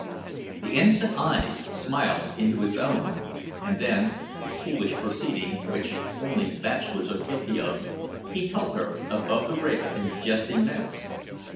The innocent eyes smiled into his own, and then a foolish proceeding, which only bachelors are guilty of he held her above the rail in jesting menace.